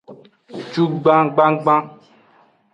Cugban gbangban.